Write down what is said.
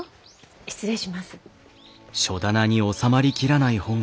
失礼します。